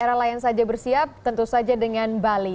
era lain saja bersiap tentu saja dengan bali